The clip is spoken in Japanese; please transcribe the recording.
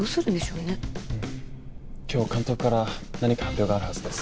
うん今日監督から何か発表があるはずです。